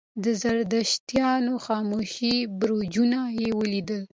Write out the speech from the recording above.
د زردشتانو خاموشه برجونه یې ولیدل.